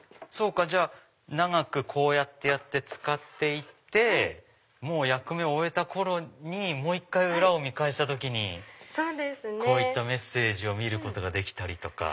じゃあ長くこうやって使って行って役目を終えた頃にもう１回裏を見返した時にこういったメッセージを見ることができたり。